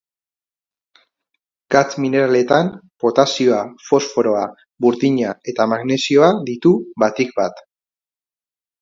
Gatz mineraletan, potasioa, fosforoa, burdina eta magnesioa ditu batik bat.